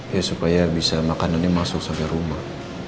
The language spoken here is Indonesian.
ya supaya bisa makanannya masuk sampai rumah